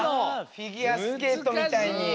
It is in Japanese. フィギュアスケートみたいに。